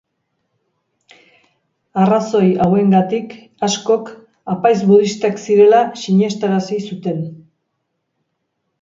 Arrazoi hauengatik, askok, apaiz budistak zirela sinestarazi zuten.